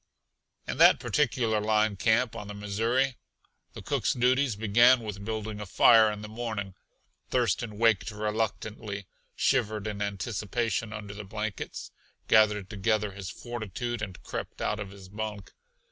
In that particular line camp on the Missouri the cook's duties began with building a fire in the morning. Thurston waked reluctantly, shivered in anticipation under the blankets, gathered together his fortitude and crept out of his bunk.